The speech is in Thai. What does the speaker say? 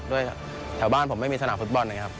แถวบ้านผมไม่มีสนามฟุตบอลนะครับ